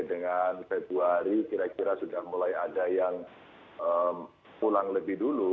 dan februari kira kira sudah mulai ada yang pulang lebih dulu